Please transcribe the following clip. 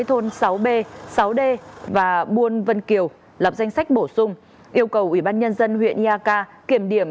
thôn sáu b sáu d và buôn vân kiều lập danh sách bổ sung yêu cầu ủy ban nhân dân huyện eak kiểm điểm